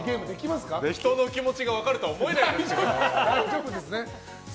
人の気持ちが分かるとは思えないけど。